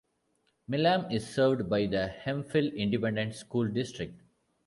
Milam is served by the Hemphill Independent School District.